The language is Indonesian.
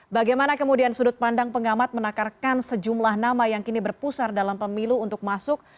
bagaimana kemudian sudut pandang pengamat menakarkan sejumlah nama yang kini berpusar dalam pemilu untuk masuk